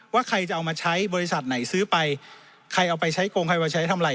ว่าใครจะเอามาใช้บริษัทไหนซื้อไปใครเอาไปใช้โกงใครมาใช้ทำอะไร